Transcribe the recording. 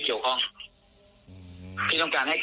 คือพี่ก็ไม่อยาก